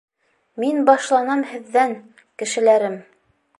Мин башланам һеҙҙән, кешеләрем!